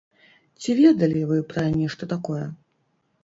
Ці ведалі вы пра нешта такое?